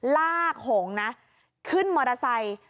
ลากหงนะขึ้นมอเตอร์ไซค์